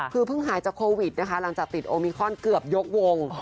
คือเพิ่งหายจากโควิดนะคะหลังจากติดโอมิคอนเกือบยกวง